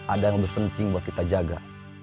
ada yang lebih penting buat kita jaga